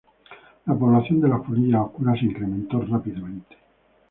La población de las polillas oscuras se incrementó rápidamente.